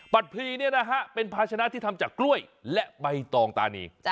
พลีเนี่ยนะฮะเป็นภาชนะที่ทำจากกล้วยและใบตองตานี